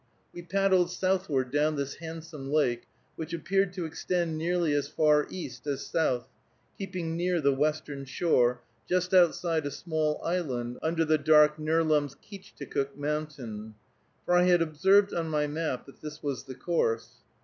We paddled southward down this handsome lake, which appeared to extend nearly as far east as south, keeping near the western shore, just outside a small island, under the dark Nerlumskeechticook Mountain. For I had observed on my map that this was the course.